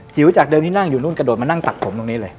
จากเดิมที่นั่งอยู่นู่นกระโดดมานั่งตัดผมตรงนี้เลย